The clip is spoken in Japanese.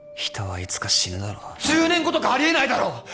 人はいつか死ぬだろ１０年後とかあり得ないだろ！